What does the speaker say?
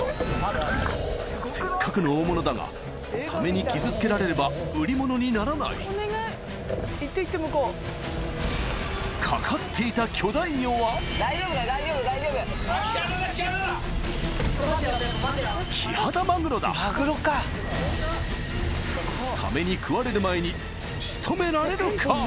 せっかくの大物だがサメに傷つけられれば売り物にならないかかっていた・大丈夫だよ大丈夫大丈夫・・キハダだキハダだ・サメに食われる前に仕留められるか？